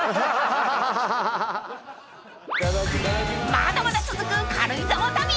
［まだまだ続く軽井沢旅］